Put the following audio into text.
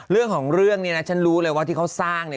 เรื่องของเรื่องเนี่ยนะฉันรู้เลยว่าที่เขาสร้างเนี่ย